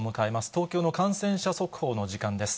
東京の感染者速報の時間です。